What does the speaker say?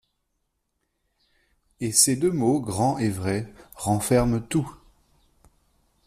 Et ces deux mots, grand et vrai, renferment tout.